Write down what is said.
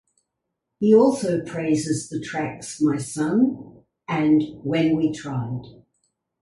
He also praises the tracks "My Son" and "When We Tried".